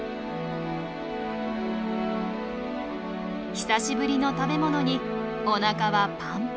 久しぶりの食べ物におなかはパンパン。